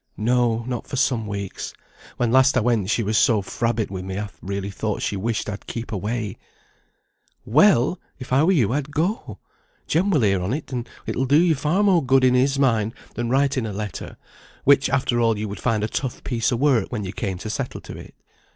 "No; not for some weeks. When last I went she was so frabbit with me, that I really thought she wished I'd keep away." [Footnote 42: "Frabbit," ill tempered.] "Well! if I were you I'd go. Jem will hear on't, and it will do you far more good in his mind than writing a letter, which, after all, you would find a tough piece of work when you came to settle to it.